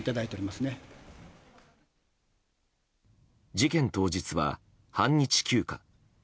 事件当日は半日休暇。